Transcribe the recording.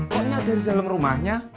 kok nya ada di dalam rumahnya